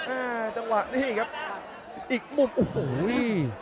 อ่าจังหวะนี้ครับอีกมุมโอ้โห